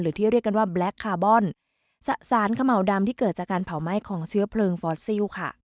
ที่เรียกกันว่าแบล็คคาร์บอนสารเขม่าวดำที่เกิดจากการเผาไหม้ของเชื้อเพลิงฟอสซิลค่ะ